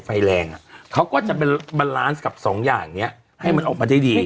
ไฟแรงอ่ะเขาก็จะไปสองอย่างเนี้ยให้มันออกมาได้ดี